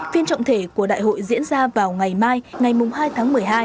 phiên trọng thể của đại hội diễn ra vào ngày mai ngày hai tháng một mươi hai